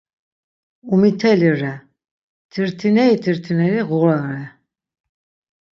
Umiteli re, tirtineri tirtineri ğurare.